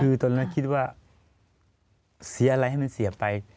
คือตอนนั้นคิดว่าเสียอะไรให้มันเสียไป